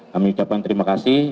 kami ucapkan terima kasih